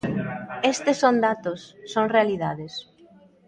Estes son datos, son realidades.